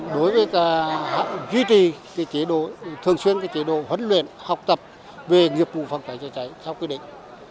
đối với ta duy trì cái chế độ thường xuyên cái chế độ vận luyện học tập về nghiệp vụ phòng cháy chữa cháy theo quy định